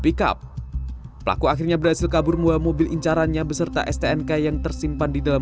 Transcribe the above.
pickup pelaku akhirnya berhasil kabur membawa mobil incarannya beserta stnk yang tersimpan di dalam